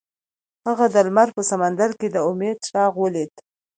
هغه د لمر په سمندر کې د امید څراغ ولید.